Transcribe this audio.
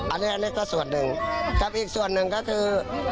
อันนี้ก็ส่วนหนึ่งกับอีกส่วนหนึ่งก็คือ